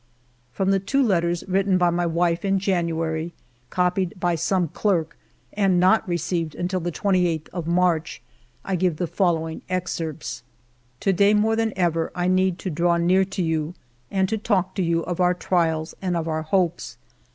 From the two letters written by my wife in January, copied by some clerk, and not received until the 28th of March, I give the following excerpts :—" To day, more than ever, I need to draw near to you, and to talk to you of our trials and of our hopes.